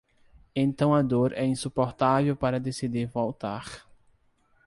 Então a dor é insuportável para decidir voltar